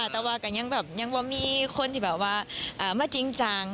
แต่ยังมีคนที่ว่าไม่จริงจัง